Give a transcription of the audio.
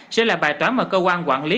sẽ là bài toán mà cơ quan quản lý